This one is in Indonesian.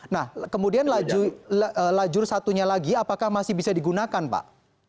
nah kemudian lajur satunya lagi apakah masih bisa digunakan pak